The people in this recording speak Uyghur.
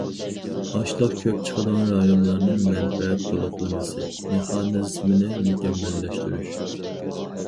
ئاشلىق كۆپ چىقىدىغان رايونلارنىڭ مەنپەئەت تولۇقلىمىسى مېخانىزمىنى مۇكەممەللەشتۈرۈش.